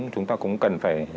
chúng ta cũng cần phải